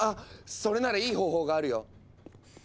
それならいい方法があるよ。